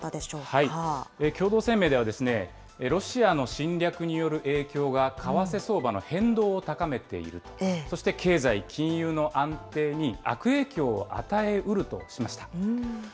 共同声明ではですね、ロシアの侵略による影響が為替相場の変動を高めている、そして経済・金融の安定に悪影響を与えうるとしました。